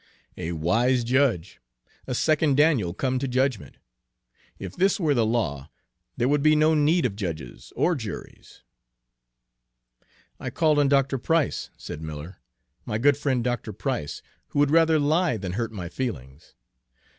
A wise judge, a second Daniel come to judgment! If this were the law, there would be no need of judges or juries." "I called on Dr. Price," said Miller, "my good friend Dr. Price, who would rather lie than hurt my feelings.